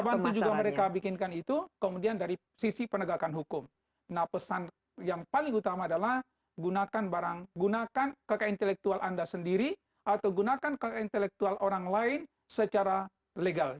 bantu juga mereka bikinkan itu kemudian dari sisi penegakan hukum nah pesan yang paling utama adalah gunakan barang gunakan kekayaan intelektual anda sendiri atau gunakan ke intelektual orang lain secara legal